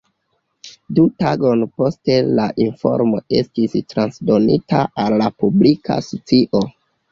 Du tagojn poste la informo estis transdonita al la publika scio.